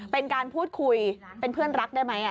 เป็นการพูดคุยเป็นเพื่อนรักได้ไหม